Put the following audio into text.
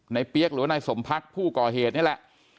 เปี๊ยกหรือว่านายสมพักผู้ก่อเหตุนี่แหละ